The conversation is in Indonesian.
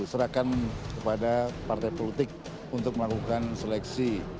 serahkan kepada partai politik untuk melakukan seleksi